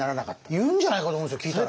言うんじゃないかと思うんです聞いたら。